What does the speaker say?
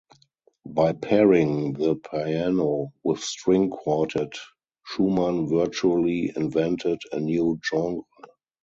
By pairing the piano with string quartet, Schumann "virtually invented" a new genre.